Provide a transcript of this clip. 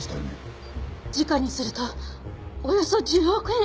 時価にするとおよそ１０億円！